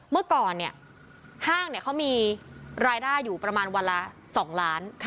เมื่อก่อนห้างเขามีรายได้อยู่ประมาณวันละ๒ล้าน